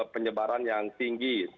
penyebaran yang tinggi